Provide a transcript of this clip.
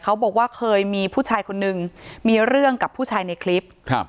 บอกว่าเคยมีผู้ชายคนนึงมีเรื่องกับผู้ชายในคลิปครับ